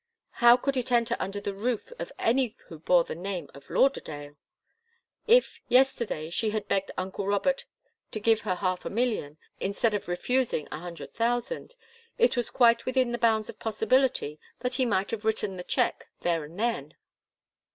How could it enter under the roof of any who bore the name of Lauderdale? If, yesterday, she had begged uncle Robert to give her half a million, instead of refusing a hundred thousand, it was quite within the bounds of possibility that he might have written the cheque there and then.